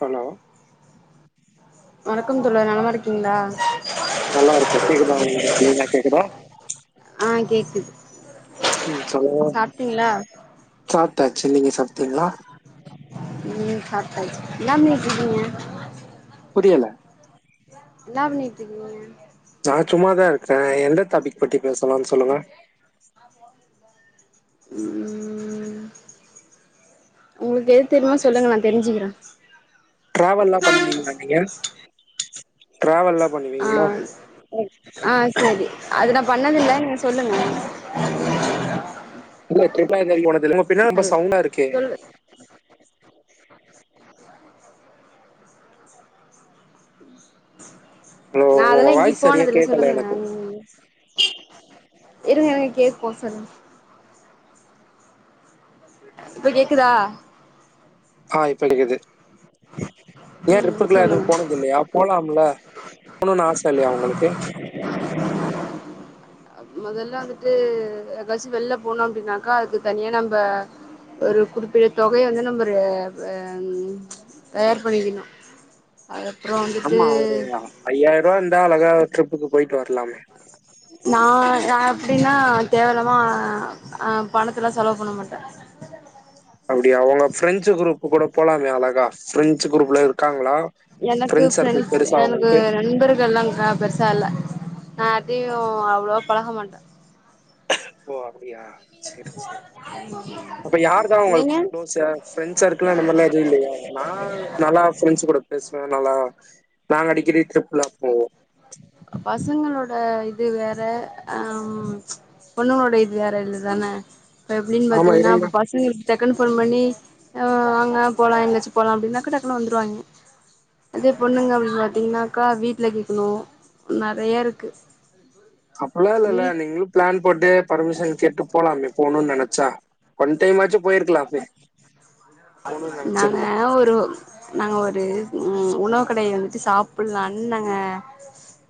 Hello வணக்கம் தோழர் நலமா இருக்கீங்களா நல்லா இருகோ கேக்குதா உங்களுக்கு க்ளீனா கேக்குதா ஆ கேக்குது சாப்ட்டீங்களா சாப்ட்டாச்சு நீங்க சாப்ட்டீங்களா ம் சாப்ட்டாச்சு என்ன பண்ணிட்டுருக்கீங்க புரியல என்ன பண்ணிட்டுருக்கீங்க நா சும்மாதா இருக்றேன் எந்த தாபிக் பத்தி பேசலானு சொல்லுங்க ம் உங்களுக்கு எது தெரிமோ சொல்லுங்க நா தெரிஞ்சுக்கறே டிரவல்லா பண்ணுவீங்களா நீங்க டிராவல்லா ஆ பண்ணுவீங்களா ஆ சரி அது நா பண்ணதில்ல நீங்க சொல்லுங்க பின்ன ரொம்ப ஹலோ சவுண்டா இருக்கே சொல்லு ஹலோ நான் உங்க அதல்லாம் எங்கயு வாய்ஸ் சரியா போனதுல்ல கேக்கல சொல்லுங்க எனக்கு இருங்க இருங்க கேக்கு சொல்லுங்க இப்ப கேக்குதா ஆ இப்ப கேடக்குது ஏ ம் ட்ரிப்புகெல்லாம் எதுவு சொல்லுங்க போனதில்லையா போலாம்ல போணும்னு ஆச இல்லயா உங்களுக்கு மொதல்லா வந்துட்டு ஏதாச்சு வெள்ள போனோம் அப்படின்னாக்கா அதுக்கு தனியா நம்ம ஒரு குறிப்பிட்ட தொகையை வந்து நம்பரு அ அ தயார் பண்ணிக்கணும் அதுப்புறம் ஆமா ஒரு ஐயாயிரூபா இருந்தா அழகா ட்ரிப்புக்கு போயிட்டு வரலாமே [inaudible] நா நா எப்டின்னா தேவயில்லாம பணத்துலா செலவு பண்ண மாட்டே அப்படியா உங்க ஃப்ரெஞ்சு குரூப் கூட போலாமே அழகா பிரெஞ்சு குரூப்ல இருக்காங்களா எனக்கு ஃப்ரெண்ட்ஸ் சர்க்கிள் ஃப்ரண்ட்ஸ் பெருசா எனக்கு உங்களுக்கு நண்பர்கள்லாம் பெருசா இல்ல நா யார்ட்டயும் அவ்வளவா பழக மாட்டே ஓ அப்டியா சரி சரி அப்ப யாரு தா உங்களுக்கு நீங்க குளோஸ் ஃப்ரண்ட்ஸா சர்க்கிள் அந்த மார்லாம் எவும் இல்லயா நா நல்லா ஃப்ரண்ட்ஸ் கூட பேசுவே நல்லா நாங்க அடிக்கடி ட்ரிப்ல்லாம் போவோ பசங்களோட இது வேற ம் பொண்ணுங்ளோட இது வேற இல்லதான இப்ப எப்டின் ஆமா பாத்தீங்னா இருங்க இப்ப பசங்ளுக்கு டக்குன் ஃபோன் பண்ணி அ வாங்க போலா எங்க்யாச்சு போலா அப்டினாக்கு டக்குனு வந்துருவாய்ங்க அதே பொண்ணுங்க அப்டின் பாத்தீங்னாக்கா வீட்ல கேக் ணு நெறையா இருக்கு அப்புலா இல்லல வீட் நீங்ளு பிளான் போட்டு பருமிஷன் கேட்டு போலாமே போணுன் நெனச்சா ஒன் டைம் ஆச்சு போய்ர்க்லாமே போணூ நெனச்சிருந்தா நா ஒரு நாங்க ஒரு ம் உணவு கடை வந்துட்டு சாப்புல்லானு நாங்க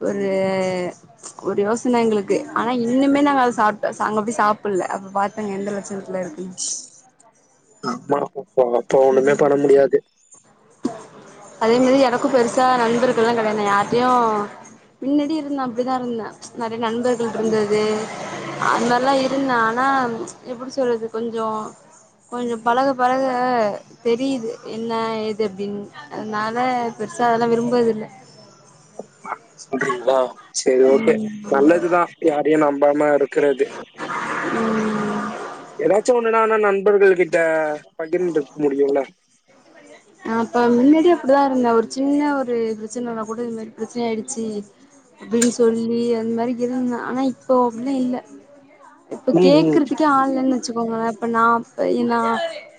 ஒரு ஒரு யோசன எங்ளுக்கு ஆனா இன்னுமே நாங்க அத சாப்ட் அங்க போய் சாப்புல்ல அப்பு பாத்தங்க எந்த லட்ச்ணத்துல இருக்குன் எங்யானா போய்ட்வாங்க ம் அதே மாரி எனக்கு பெருசா நண்பர்கள்லா கெடயா நா யார்ட்டியு முன்னாடி இருந்த அப்டிதா இருந்த நெறைய நண்பர்கள் இருந்தது அது மார்லா இருந்த ஆனா எப்டி சொல்றது கொஞ்சோ கொஞ்சோ பழக பழக தெரிது என்ன ஏது அப்டின் அதுனால பெருசா அதெல்லா விரும்பதில்ல அப்டி சொல்றீங்களா சேரி ஓகே ம் நல்லதுதா யாரையு நம்பாம இருக்குறது ம் எதாச்சு ஒன்னுனானா நண்பர்கள் கிட்ட பகிர்ந்ட முடியுல [inaudible] நா அப்ப முன்னாடியே அப்டிதா இருந்த ஒரு சின்ன ஒரு பிரச்சினனா கூட இது மாரி பிரச்னை ஆய்டு ச்சி அப்டின் சொல்லி அந் மாரிக் இருந்த ஆனா இப்போ அப்டி இல்ல இப்ப ம் ம் கேக்குற்துகே ஆள் இல்லன் வச்சுக்கோங்குளே இப்ப நா இப்ப இனா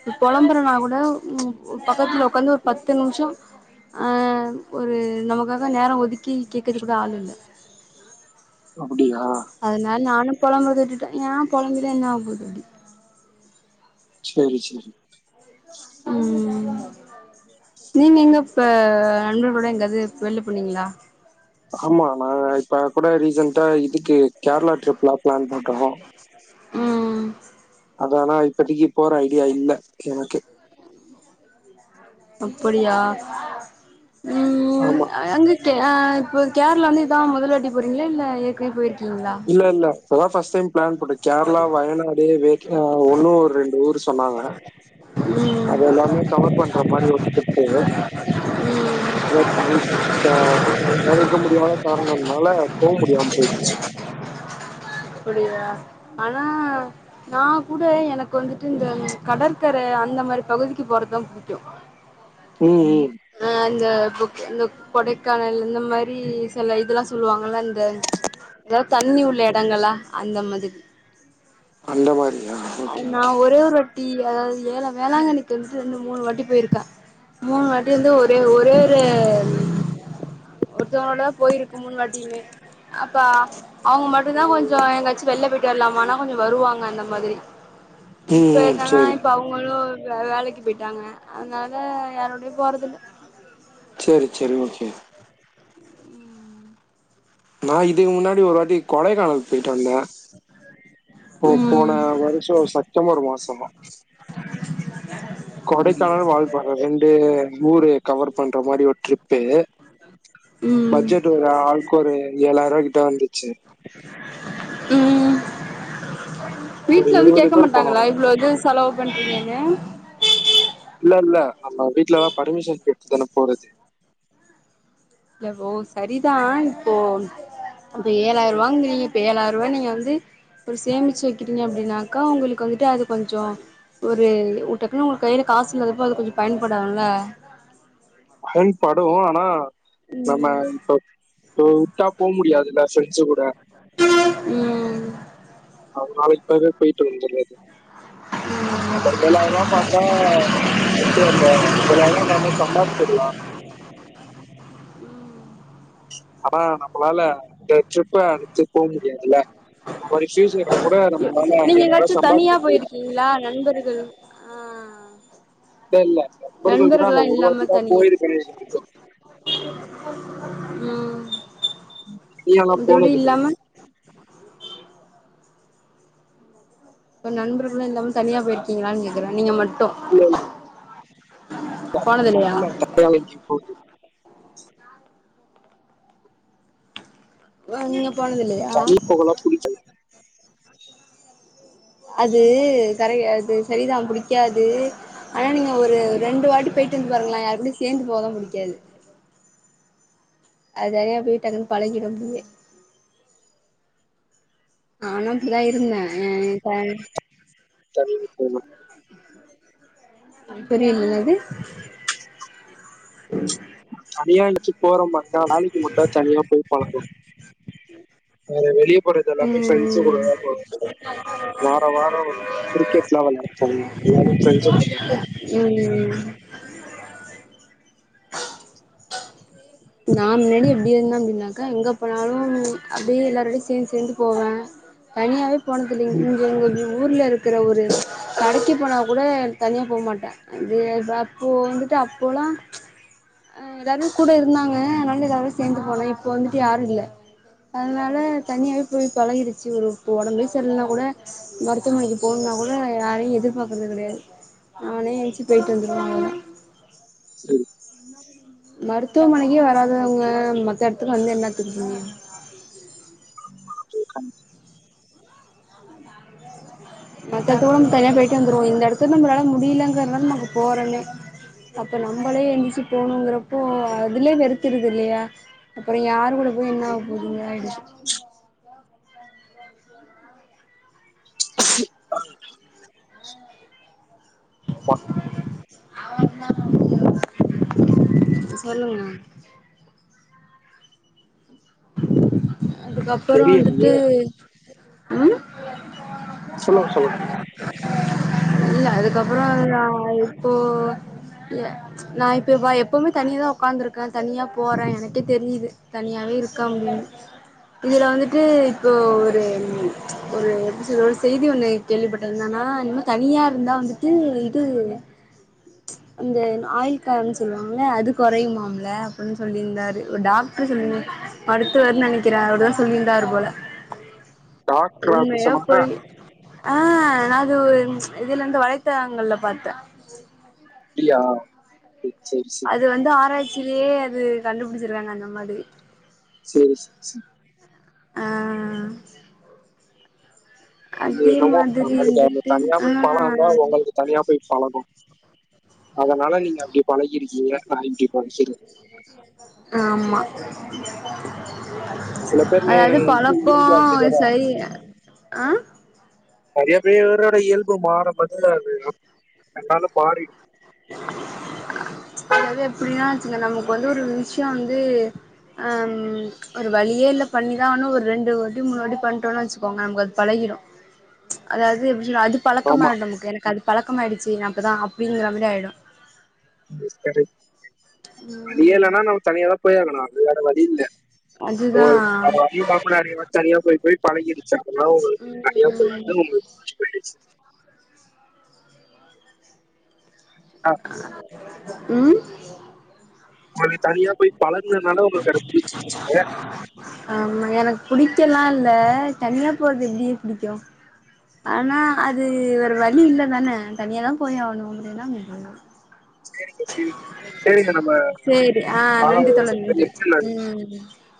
இப் பொழம்புறனா கூட ம் ஒ பக்கத்ல உக்காந்து ஒரு பத்து நிம்ஷோ அ ஒரு நமக்காக நேரோ ஒதுக்கி கேக்கதுக்கூட ஆள் இல்ல அப்புடியா அதுனால் நானு பொழம்றத விட்டுட்ட ஏன் பொழம்பிதா என்னாவபோது அப்டி சேரி சேரி ம் நீங்க எங்க இப்ப நண்பர்களோட எங்யாது வெள்ல போனீங்ளா ஆமா நாங்க இப்ப கூட ரீசன்ட்டா இதுக்கு கேர்ளா ட்ரிப்லா பிளான் போட்டோ ம் ம் ஆனா இப்பதீக்கி போற ஐடியா இல்ல எனக்கு அப்புடியா ம் ஆமா அ அங்க இது அ இப்போ கேர்ளா வந்து இதா முதல்வாட்டி போறீங்ளா இல்ல ஏற்க்னே போய்ர்க்கீங்ளா இல்ல இல்ல இப்பதா ஃபஸ்ட் டைம் பிளான் போட்டோ கேர்ளா வயநாடு வேக் ஆ உன்னூ ஒர் ரெண்டு ஊரு சொன்னாங்க ம் அது எல்லாமே கவர் பண்ற மாரி ஒரு ட்ரிப்பு ம் பே பண்ணிட்டோ தவிர்க்க முடியாத கார்ணம்னால போ முடியாம் போய்ர்ச்சு அப்புடியா ஆனா நா கூட எனக்கு வந்துட்டு இந்த கடற்கர அந்த மாரி பகுதிக்கு போறதா புடிக்கு ம் ம் ஆ இந்த புக் இந்த கொடைக்கானல் இந்த மாரி சில இதெல்லா சொல்லுவாங்கல இந்த ஏதா தண்ணி உள்ள எடங்களா அந்த மாதிரி அந்த மாதிரியா ஓகே நா ஓகே ஒரே ஒரு வாட் டி அதாவது ஏல வேளாங்கண்ணிக்கு வந்துட்டு ரெண்டு மூணு வாட்டி போயிருக்கே மூணு வாட்டி வந்து ஒரே ஒரே ஒரு ஒருத்தவங்களோடதா போயிருக்கு மூனு வாட்டியுமே அப்பா அவுங்க மட்டுதா கொஞ்சோ எங்காச்சி வெளில விட் டற்லாமானா கொஞ்சோ வருவாங்க அந்த மாதிரி ம் இப்ப ம். என்னனா சரி இப்ப அவுங் அவுங்களு வே வேலைக்கு போய்ட்டாங்க அதனால யாரோடயு போறதில்ல சேரி சேரி ஓ சே நா இதுக்கு முன்னாடி ஒருவாட்டி கொடைக்கானல் போயிட்டுவந்தே ஓ போன ம் வருஷோ சட் ப்டம்பர் மாசோமா கொடைக்கானல் வால்பாற ரெண்டு ஊரு கவர் பண்ற மாரி ஒரு ட்ரிப் பு ம் பட்ஜெட் ஒரு ஆளுக்கு ஒரு ஏழாயிரரூவா கிட்ட வந்துச்சு ம் ஒரு வீட்ல வந்து இருபது கேட்க பேர் போனோம் மாட்டாங்களா நாங்க. இவ்ளோது ஸ் செலவு பண்றிங்கனு இல்ல இல்ல நம்ம வீட்லலா பர்மிஷன் கேட்டு தான போறது எவ் ஓ சரிதான் இப்போ அப்ப ஏழாயிரூவாங்கிறிங்க இப்ப ஏழாயிரரூவா நீங்க வந்து ஒரு சேமிச்சு வைக்கிறீங்க அப்டின்னாக்கோ உங்களுக்கு வந்துட்டு அது கொஞ்சோ ஒரு டக்குனு உங்களுக்கு கைல காசு இல்லாதப்போ அது கொஞ்சோ பயன்படனுல பயன்படு ஆனா நம்ம இப்ப இப்ப வுட்டா போ முடியாதுல்ல ஃப்ரெண்ட்ஸு கூட ம் அதனால இப்பவே போய்ட்டு வந்தரது ம் அந்த ஏழாயிரூவா பாத்தா நம்ம அடுத்து அந்த ஏழாயிரூவா சம்பாச்சிடலா ஆனா நம்மளால இந்த ட்ரிப்ப அனுச்சு போ முடியாது இல்ல ஒரு ஷீஷீ வக்கிறவ கூட நம்மளால ஏழாயிரூவா சம்பாதிக்க முடியு ஃபுல்லா நண்பர்கள் ஆ இல்ல இல்ல நண்பர்கள் கூட அந்த நண்பர்கள்லா ஒரு இல்லாம வாட்டி தா தனியா போயிருக்கே ம் நீயலா மத்தபடி போனதில்லை இல்லாம இப்ப நண்பர்களு இல்லாமே தனியா போயிருக்கீங்களான்னு கேக்குறே நீங்க மட்டு இல்ல போனதில்லையா இல்ல வேலைக்கு போனு ஆ நீங்க போனதில்லயா தனியா போகலா புடிக்காது அது கரைய அது சரிதா புடிக்காது ஆனா நீங்க ஒரு ரெண்டு வாட்டி போய்டிட்டு வந்து பாருங்களே யாரு கூடயு சேந்து போகதா புடிக்காது அது தனியா போய்டு வந்து பழகிடு அப்டியே நானு அப்டிதா இருந்தே இப்ப சரிங்க தோழி புரில என்னது [inaudible] தனியா இருச்சு போற மாரி நாளைக்கு மட்டா தனியா போய் பழக்கோ அ வெளிய போறதல்லாமே பிரெண்ட்ஸ் கூட ம் போவே வார வாரோ கிரிக்கெட்லா விளாட போவ [unintelligible] ம் நா முன்னாடி எப்டி இருந்தே அப்டின்னாக்க எங்க போனாலு அப்டியே எல்லாரோடயையு சேர்ந்து சேர்ந்து போவே தனியாவே போனதில்லீங் இங்க எங்க எப்டி ஊர்ல இருக்கற ஒரு கடைக்கு போனா கூட தனியா போ மாட்டே அது அப்போ வந்துட்டு அப்போலா எல்லாரு கூட இ ருந்தாங்க அதனால எல்லாரோட சேர்ந்து போனே இப்போ வந்துட்டு யாரு இல்ல அதனால தனியாவே போய் பழகிடுச்சு ஒரு உடம்பே சரில்னா கூட மருத்துவனைக்கு போணும்னா கூட யாரையு எதிர்பார்க்கறது கெடையாது நானே என்ச்சு போயிட்டு வந்துருவ சேரி [unintelligible] மருத்துவமனைக்கே வராதவங்க மத்த இடத்துக்கு வந்து என்னத்துக்கு அது கண்டிப்பா மத்த இடத்துக்கூட தனியா போயிட்டு வந்துர்வோ இந்த இடத்துல நம்மளால முடிலங்கறதுதா நாம போறேன்னே அப்ப நம்மளே எஞ்ச்சு போணுங்கிறப்போ அதுலயே வெறுத்துறுது இல்லையா அப்புற யாரு கூட போய் என்னாக போகுது யார்க்கு [unintelligible] [unintelligible] சொல்லுங்க அதுக்கப்புறோ வந்துட்டு தெரியலையே ம் சொல்லுங் சொல்லுங் இல்ல அதுக்கப்புற நா இப்போ நா இப்ப வா எப்போமே தனியா தா உட்காந்துருக்கே தனியா போறே எனக்கே தெரியுது தனியாவே இருக் கம்னு இதுல வந்துட்டு இப்போ ஒரு ஒரு செய்தி ஒன்னு கேள்விபட்டது என்னனா இன்னு தனியா இருந்தா வந்துட்டு இது அந்த ஆயில்காலம்ன்னு சொல்லுவாங்ல அது குறையுமாம்ல அப்டின்னு சொல்லியிருந்தாரு ஒரு டாக்டர் சொல்லி மருத்துவர்ன்னு நெனைக்கிறே அவர்தா சொல்லியிருந்தாரு போல டாக்டர் அப்படி உண்மையா சொன்னாங்க பொய் ஆ நாங்க ஒரு இதுலயிருந் வலைத்தளங்கள்ல பாத்தே அப்டியா சேரி சேரி சேரி இது வந்து ஆராய்ச்சியிலயே அது கண்டுபுடிச்சிருக்காங்க அந்த மாதிரி சேரி சேரி சேரி ஆ அது அதே என்னமோ மாதிரி நம்மளுக்கு அந்த வந்துட்டு தனியா ஆ போய் பழக்கோ இல்ல உங்களுக்கு தனியா போய் பழக்கோ அதனால நீங்க அப்டி பழகிருக்கீங்க நா இப்டி [unintelligible] ஆமா சில பேர் அதாவது நே- இது பழக்கோ இயல்பு அப்படிதானே சரியில்ல ஆ நெறைய பேரோட இயல்பு மாறும் [unintelligible] அது எல்லாமே மாறிடு [unintelligible] நமக்கு வந்து ஒரு விஷ்யோ வந்து அம் ஒரு வழியே இல்ல பண்ணிதா ஆகனு ஒரு ரெண்டு வாட்டி மூனு வாட்டி பண்ணிட்டோம்ன்னு வச்சுக்கோங்க நமக்கு அது பழகிடு அதாவது எப்பிடினா அது பழக்கம் ஆமா ஆயிடும் எனக்கு அது பழக்கம் ஆயிடுச்சு நா அப்டிதா அப்டிங்கிற மாதிரி ஆயிடு ம் சரி நீயே இல்லன்னா நம்ம தனியாதா போய் ஆகணு அது வேற வழி இல்ல அதுதா உங்களுக்கு வேற வழியில்லாம நெறைய வாட்டி தனியா போய் போய் பழகிடுச்சு அதெல்லா உங்களுக்கு தனியா போய் வந்து உங்களுக்கு ச்சு போயிடுச்சு அ ம் உங்களுக்கு தனியா போய் பழகனுதுனால உங்களுக்கு அது புடிச்சிருச்சுங்க ஆமா எனக்கு புடிக்கலா இல்ல தனியா போறது எப்படிங்க புடிக்கு ஆனா அது வேற வழி இல்ல தானே தனியா தா போய் ஆகணு அப்றோ என்ன பண்றது செரிங்க செரிங்க செரிங்க நம்ம சேரி ஆ கால நன்றி அவகாசம் தோழர் நன்றி முடிஞ்சிருச்சு நாளை ம்